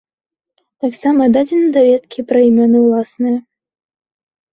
Таксама дадзены даведкі пра імёны уласныя.